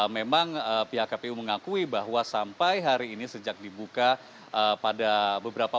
memang pihak kpu mengakui bahwa sampai hari ini sejak dibuka pada beberapa